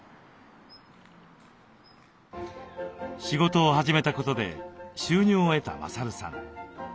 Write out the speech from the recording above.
仕事を始めたことで収入を得た勝さん。